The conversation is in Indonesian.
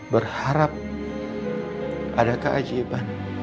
berharap ada keajaiban